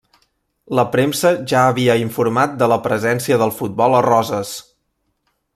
La premsa ja havia informat de la presència del futbol a Roses.